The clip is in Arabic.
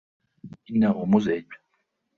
إنهُ مزعج.